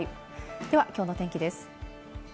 では、きょうの天気です。